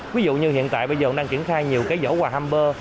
ví dụ như hiện tại bây giờ cũng đang triển khai nhiều cái giỏ quà humber